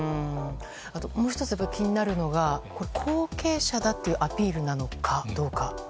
あと、もう１つ気になるのが後継者だというアピールなのかどうか。